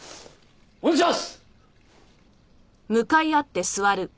お願いします！